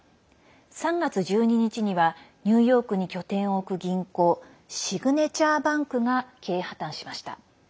３月１２日にはニューヨークに拠点を置く銀行シグネチャーバンクが経営破綻しました。